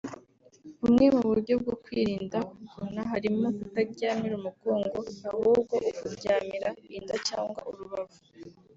Bumwe mu buryo bwo kwirinda kugona harimo kutaryamira umugongo ahubwo ukuryamira inda cyangwa urubavu